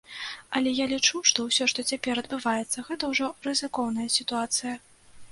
Але я лічу, што ўсё, што цяпер адбываецца, гэта ўжо рызыкоўная сітуацыя.